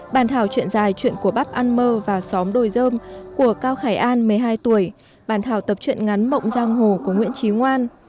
bàn thảo chuyện dài chuyện của bắp an mơ và xóm đồi dơm của cao khải an một mươi hai tuổi bàn thảo tập chuyện ngắn mộng giang hồ của nguyễn trí ngoan